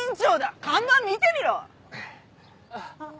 看板見てみろ！あっ。